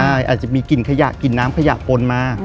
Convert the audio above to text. ใช่อาจจะมีกลิ่นขยะกลิ่นน้ำขยะปนมา